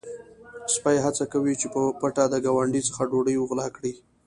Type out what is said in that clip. سپی هڅه کوي چې په پټه د ګاونډي څخه ډوډۍ وغلا کړي.